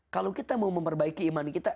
kalau kita mau memperbaiki iman kita